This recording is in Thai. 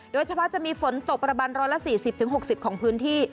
โดยเฉพาะจะมีฝนตกประมาณ๑๔๐๖๐ของพื้นที่